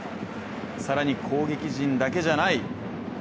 更に攻撃陣だけじゃない。